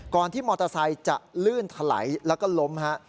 ที่มอเตอร์ไซค์จะลื่นถลายแล้วก็ล้มฮะ